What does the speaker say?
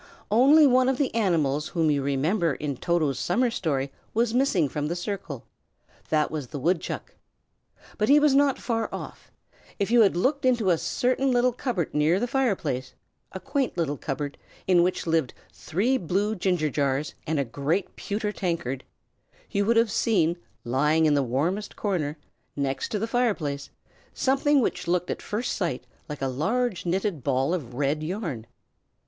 Only one of the animals whom you remember in Toto's summer story was missing from the circle; that was the woodchuck. But he was not very far off. If you had looked into a certain little cupboard near the fireplace, a quaint little cupboard, in which lived three blue ginger jars and a great pewter tankard, you would have seen, lying in the warmest corner, next the fireplace, something which looked at first sight like a large knitted ball of red yarn.